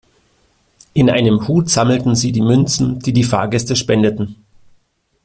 In einem Hut sammelten Sie die Münzen, die die Fahrgäste spendeten.